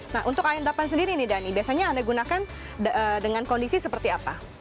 nah untuk ayam delapan sendiri nih dhani biasanya anda gunakan dengan kondisi seperti apa